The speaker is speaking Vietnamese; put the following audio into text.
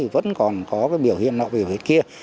vẫn còn có biểu hiện nọ biểu hiện kia